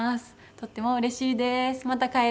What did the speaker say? とってもうれしいです。